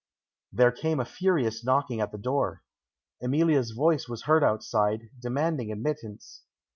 There came a furious knocking at the door. Emilia's voice was heard outside, demanding admittance.